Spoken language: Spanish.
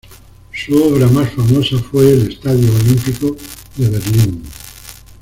Su obra más famosa fue el Estadio Olímpico de Berlín.